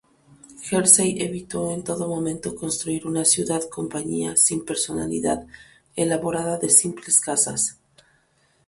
Hershey evitó en todo momento construir una ciudad-compañía sin personalidad, elaborada de simples casas.